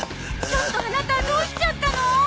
ちょっとアナタどうしちゃったの？